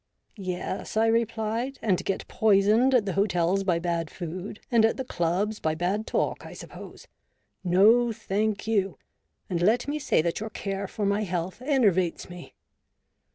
" Yes," I replied, "and get poisoned at the hotels by bad food, and at the clubs by bad talk, I suppose. No, thank you: and let me say that your care for my health enervates me."